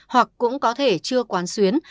hoặc cũng có thể chưa quán xuyến